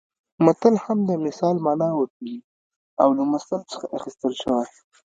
متل هم د مثال مانا ورکوي او له مثل څخه اخیستل شوی